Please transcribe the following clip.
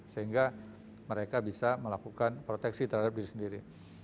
sehingga mereka bisa melakukan proteksi terhadap diri sendiri